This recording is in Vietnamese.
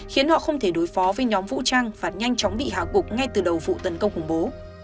khiến họ không thể đối phó với nhóm vũ trang và nhanh chóng bị hạ cục ngay từ đầu vụ tấn công khủng bố